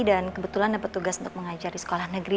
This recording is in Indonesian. dan kebetulan dapet tugas untuk mengajar di sekolah negeri